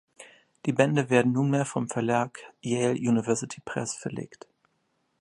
Die Bände werden nunmehr vom Verlag Yale University Press verlegt.